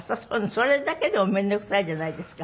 それだけでもめんどくさいじゃないですか。